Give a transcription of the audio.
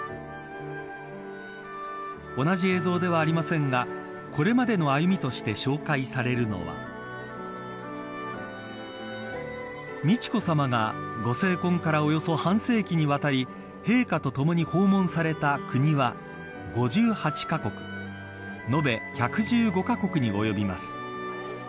同じ映像ではありませんがこれまでの歩みとして紹介されるのは美智子さまが、ご成婚からおよそ半世紀にわたり陛下とともに訪問された国は５８カ国延べ、１１５カ国に及びます。